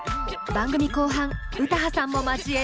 番組後半詩羽さんも交え即興コラボ！